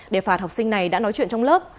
để phạt học sinh này đã nói chuyện trong lớp